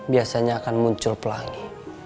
biasanya akan muncul pelangi